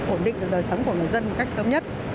ổn định được đời sống của người dân cách sớm nhất